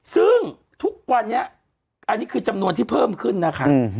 ซึ่งทุกวันนี้อันนี้คือจำนวนที่เพิ่มขึ้นนะคะ